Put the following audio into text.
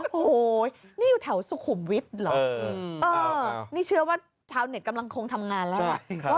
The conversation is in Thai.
โอ้โหนี่อยู่แถวสุขุมวิทย์เหรอนี่เชื่อว่าชาวเน็ตกำลังคงทำงานแล้วล่ะ